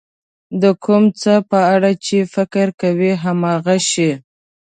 د کوم څه په اړه چې فکر کوئ هماغه شی.